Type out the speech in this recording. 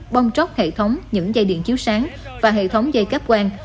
bong chóc hệ thống những dây điện chiếu sáng và hệ thống dây cáp quang